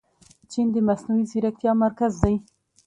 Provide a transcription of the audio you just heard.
چین د مصنوعي ځیرکتیا مرکز دی.